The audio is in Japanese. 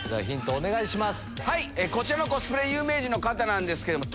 お願いします。